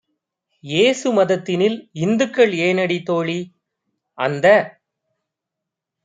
ஏசு மதத்தினில் இந்துக்கள் ஏனடி? தோழி - அந்த